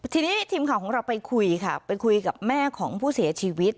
ทีนี้ทีมข่าวของเราไปคุยค่ะไปคุยกับแม่ของผู้เสียชีวิต